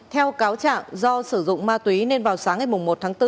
theo cáo trạng do sử dụng ma túy nên vào sáng ngày một tháng bốn